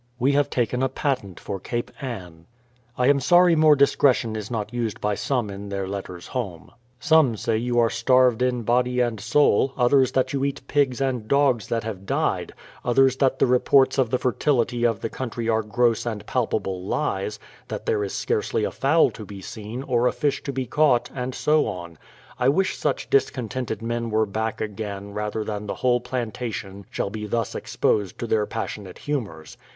We have taken a patent for Cape Ann. ... THE PLYMOUTH SETTLEIMENT 137 I am sorry more discretion is not used by some in their letters home * Some say you are starved in body and soul ; others that you eat pigs and dogs that have died; others that the reports of the fertility of the country are gross and palpable lies, that there is scarcely a fowl to be seen, or a fish to be caught, and so on. I wish such discontented men were back again, rather than the whole plantation shall be thus exposed to their passionate humours.